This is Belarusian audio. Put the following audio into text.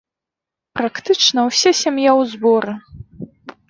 Практычна ўся сям'я ў зборы.